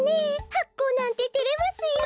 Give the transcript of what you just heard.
はっこうなんててれますよ。